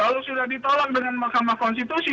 kalau sudah ditolak dengan mahkamah konstitusi